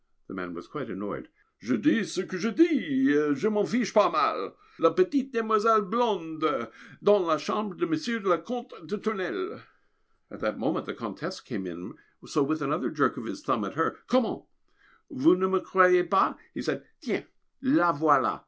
The man was quite annoyed. "Je dis ce que je dis et je m'en fiche pas mal! la petite demoiselle blonde, dans la chambre de Monsieur le Comte de Tournelle." At that moment the Comtesse came in, so with another jerk of his thumb at her, "Comment! vous ne me croyez pas?" he said, "tiens la voilà!"